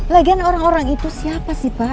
lagian orang orang itu siapa sih pak